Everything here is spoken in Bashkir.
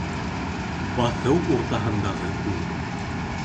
БАҪЫУ УРТАҺЫНДАҒЫ КҮЛ